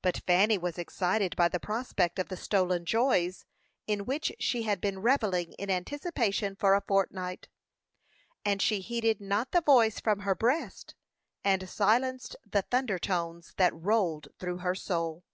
But Fanny was excited by the prospect of the stolen joys, in which she had been revelling in anticipation for a fortnight, and she heeded not the voice from her breast, and silenced the thunder tones that rolled through her soul.